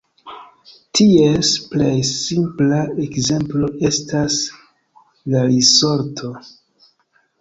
Ties plej simpla ekzemplo estas la risorto.